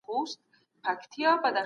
د علم برکت په هر ځای کي سته.